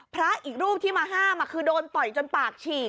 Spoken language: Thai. พระอีกรูปที่มาห้ามคือโดนต่อยจนปากฉี่